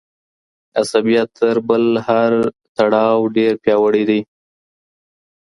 عصبیت تر هر بل تړاو ډیر پیاوړی وي.